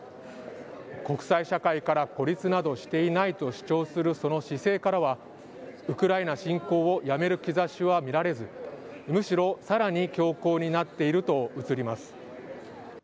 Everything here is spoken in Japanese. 国際社会から孤立などしていないと主張するその姿勢からは、ウクライナ侵攻をやめる兆しは見えず、むしろさらに強硬になっていると映ります。